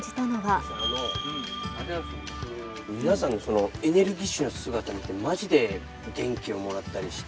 皆さんのエネルギッシュな姿見て、まじで元気をもらったりして。